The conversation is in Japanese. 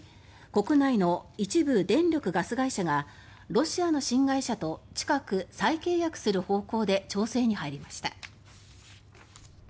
国内の一部電力・ガス会社がロシアの新会社と近く再契約する方向で調整に入りました。